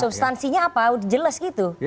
substansinya apa jelas gitu